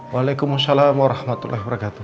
waalaikumsalam warahmatullahi wabarakatuh